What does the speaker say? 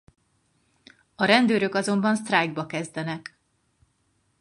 A rendőrök azonban sztrájkba kezdenek.